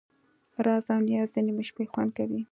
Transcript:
راز او نیاز د نیمې شپې خوند کوي.